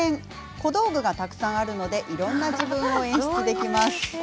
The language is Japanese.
小道具がたくさんあるのでいろんな自分を演出できます。